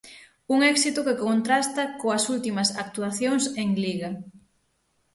Un éxito que contrasta coas últimas actuacións en Liga.